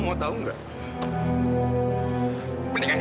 mau lo apa sih